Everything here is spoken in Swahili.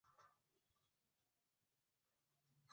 aba wa nishati ya nuclear katika kampuni ya ufaransa ya al riva